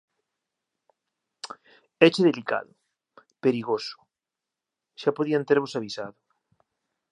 Éche delicado. Perigoso. Xa podían tervos avisado.